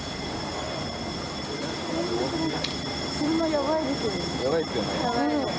やばいですよね。